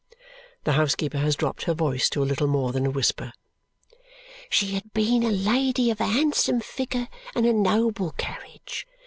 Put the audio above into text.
The housekeeper has dropped her voice to a little more than a whisper. "She had been a lady of a handsome figure and a noble carriage.